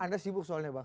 anda sibuk soalnya bang